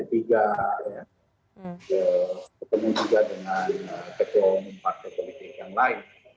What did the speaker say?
dan bertemu juga dengan ketua umum partai politik yang lain